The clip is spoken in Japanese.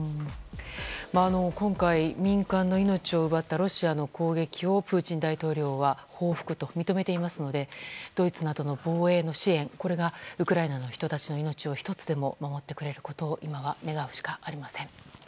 今回、民間の命を奪ったロシアの攻撃をプーチン大統領は報復と認めていますのでドイツなどの防衛の支援がウクライナの人たちの命を１つでも守ってくれることを今は願うしかありません。